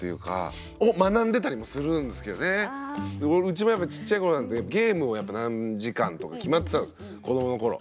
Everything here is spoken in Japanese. うちもやっぱちっちゃいころなんてゲームをやっぱ何時間とか決まってたんです子どもの頃。